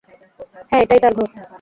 হ্যাঁ এটাই তার ঘর।